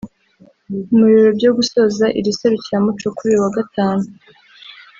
Mu birori byo gusoza iri serukiramuco kuri uyu wa Gatanu